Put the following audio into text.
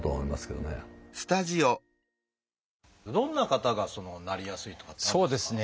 どんな方がなりやすいとかっていうのはあるんですか？